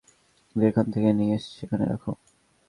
যেখান থেকে নিয়েছ সেখানে রাখো।